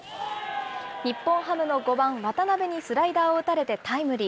日本ハムの５番渡邉にスライダーを打たれて、タイムリー。